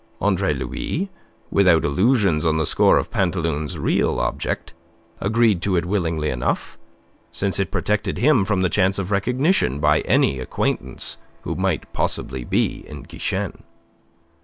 Andre Louis, without illusions on the score of Pantaloon's real object, agreed to it willingly enough, since it protected him from the chance of recognition by any acquaintance who might possibly be in Guichen.